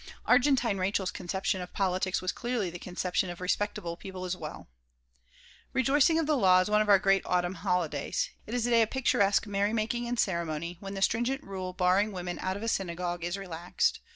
Argentine Rachael's conception of politics was clearly the conception of respectable people as well Rejoicing of the Law is one of our great autumn holidays. It is a day of picturesque merrymaking and ceremony, when the stringent rule barring women out of a synagogue is relaxed.